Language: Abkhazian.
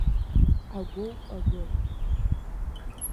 Агәоуп, агәы!